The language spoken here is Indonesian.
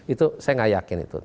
itu saya nggak yakin itu